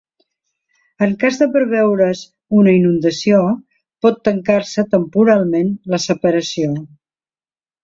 En cas de preveure's una inundació, pot tancar-se temporalment la separació.